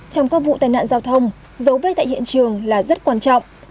trong các vụ tai nạn giao thông dấu vết tại hiện trường là rất quan trọng